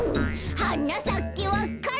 「はなさけわか蘭」